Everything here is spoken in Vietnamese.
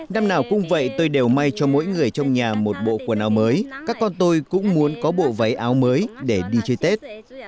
năm nào cũng vậy tôi đều may cho mỗi người trong nhà một bộ quần áo mới các con tôi cũng muốn có bộ váy áo mới để đi chơi tết